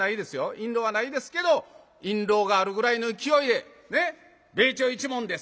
印籠はないですけど印籠があるぐらいの勢いで「米朝一門です」